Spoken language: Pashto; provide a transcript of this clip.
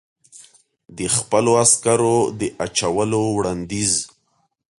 د خپلو عسکرو د اچولو وړاندیز.